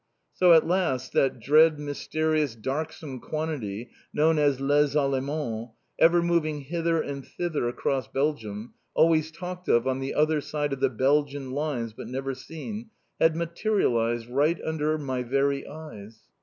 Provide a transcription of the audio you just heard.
So at last that dread mysterious darksome quantity known as "les Allemands," ever moving hither and thither across Belgium, always talked of on the other side of the Belgian lines, but never seen, had materialised right under my very eyes!